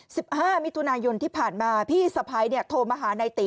สิบห้ามิถุนายนที่ผ่านมาพี่สะพ้ายเนี่ยโทรมาหาในตี